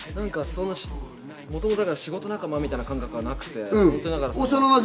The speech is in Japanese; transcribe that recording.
もともと仕事仲間みたいな感覚がなくて。